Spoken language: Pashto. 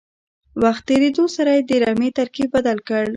وخت تېرېدو سره یې د رمې ترکیب بدل کړ.